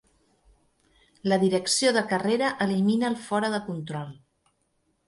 La direcció de carrera elimina el fora de control.